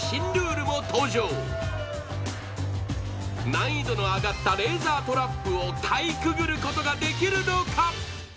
難易度の上がったレーザートラップをかいくぐることができるのか？